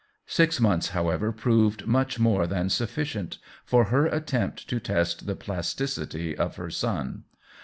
Six months, however, proved much more than sufficient for her attempt to test the plasticity of her son.